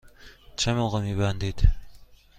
چه موقع می بندید؟